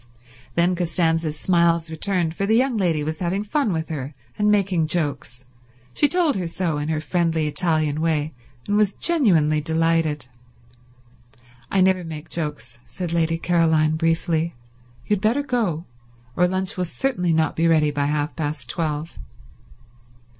Then Costanza's smiles returned, for the young lady was having fun with her and making jokes. She told her so, in her friendly Italian way, and was genuinely delighted. "I never make jokes," said Lady Caroline briefly. "You had better go, or lunch will certainly not be ready by half past twelve."